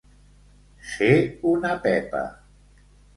Ser una pepa.